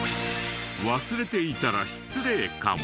忘れていたら失礼かも。